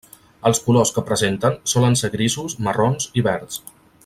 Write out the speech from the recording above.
Els colors que presenten solen ser grisos, marrons i verds.